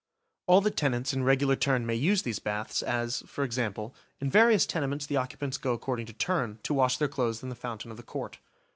All the tenants in regular turn may use these baths, as, for example, in various tenements the occupants go according to turn, to wash their clothes in the fountain of the court.